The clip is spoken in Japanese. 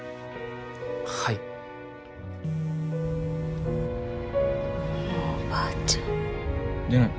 はいもうばーちゃん出ないの？